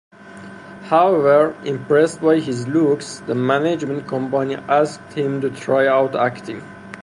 However, impressed by his looks, the management company asked him to try out acting.